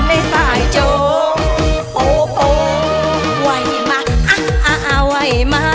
ในสายโจ๊ะโป๊โป๊ไหวมาอ่ะอ่ะอ่ะไหวมา